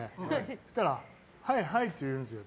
そうしたら、ハイハイって言うんですよ